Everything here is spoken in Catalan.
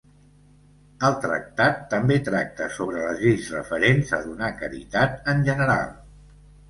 El tractat també tracta sobre les lleis referents a donar caritat en general.